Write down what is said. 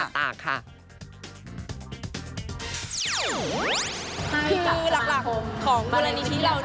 คือหลักของมูลนิทธิเราเนี่ย